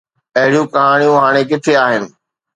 اهڙيون ڪهاڻيون هاڻي ڪٿي آهن؟